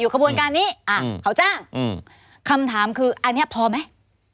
คำถามคืออันนี้พอไหม